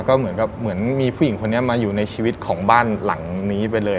ก็เหมือนกับเหมือนมีผู้หญิงคนนี้มาอยู่ในชีวิตของบ้านหลังนี้ไปเลย